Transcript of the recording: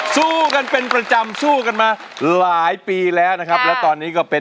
สู้กันเป็นประจำสู้กันมาหลายปีแล้วนะครับแล้วตอนนี้ก็เป็น